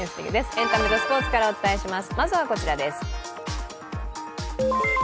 エンタメとスポーツからお伝えします。